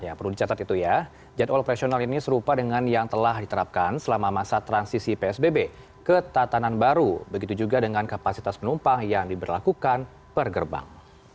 ya perlu dicatat itu ya jadwal operasional ini serupa dengan yang telah diterapkan selama masa transisi psbb ke tatanan baru begitu juga dengan kapasitas penumpang yang diberlakukan per gerbang